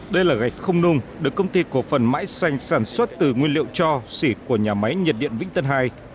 đây là gạch không nung được công ty cổ phần mãi xanh sản xuất từ nguyên liệu cho xỉ của nhà máy nhiệt điện vĩnh tân hai